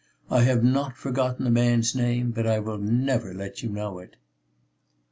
I have not forgotten the man's name, but I will never let you know it."